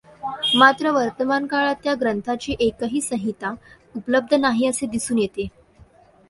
मात्र वर्तमानकाळात त्या ग्रंथाची एकही संहिता उपलब्ध नाही असे दिसून येते.